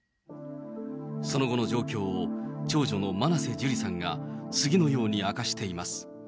その後の状況を長女の真瀬樹里さんが、次のように明かしています。